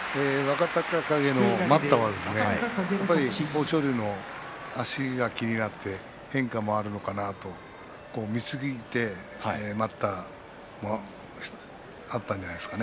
若隆景の待ったは豊昇龍の足が気になって変化もあるのかなと見すぎて待った押したんですね